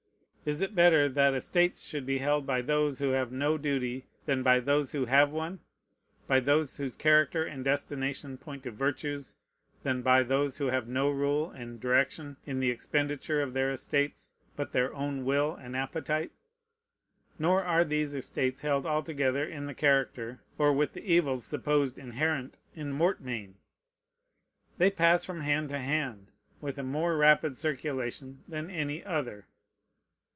Is it better that estates should be held by those who have no duty than by those who have one? by those whose character and destination point to virtues than by those who have no rule and direction in the expenditure of their estates but their own will and appetite? Nor are these estates held altogether in the character or with the evils supposed inherent in mortmain. They pass from hand to hand with a more rapid circulation than any other.